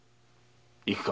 行くか？